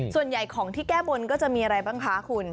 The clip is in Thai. ส่วนใหญ่ของที่แก้บนก็จะมีอะไรบ้างคะคุณ